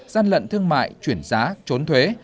gian lận thương mại chuyển giá trốn thuế